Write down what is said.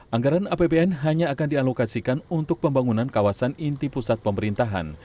anggaran apbn hanya akan dialokasikan untuk pembangunan kawasan inti pusat pemerintahan